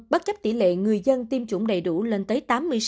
bất chấp tỷ lệ người dân tiêm chủng đầy đủ lên tới tám mươi sáu